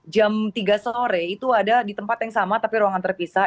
jam tiga sore itu ada di tempat yang sama tapi ruangan terpisah